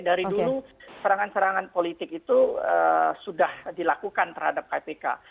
dari dulu serangan serangan politik itu sudah dilakukan terhadap kpk